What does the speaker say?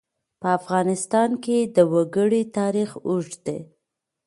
په افغانستان کې د وګړي تاریخ اوږد دی.